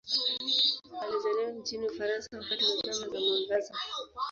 Alizaliwa nchini Ufaransa wakati wa Zama za Mwangaza.